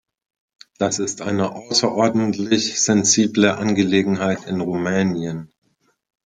Das ist eine außerordentlich sensible Angelegenheit in Rumänien.